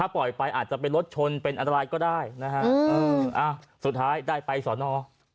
ปล่อยไปอาจจะเป็นรถชนเป็นอันตรายก็ได้นะฮะสุดท้ายได้ไปสอนอ